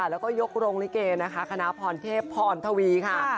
และยกโรงลิเกย์นะคะขณะพอลเทพพอลทวีค่ะ